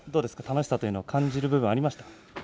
楽しさというのを感じる部分ありましたか。